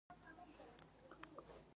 دوی به يې ډار کړل، چې ډېر خطرناک وو.